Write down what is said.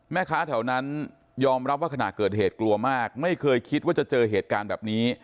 แม่ค้าแถวนั้นยอมรับว่าขณะเกิดเหตุกลัวมากไม่เคยคิดว่าจะเจอเหตุการณ์แบบนี้